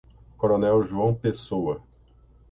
Coronel João Pessoa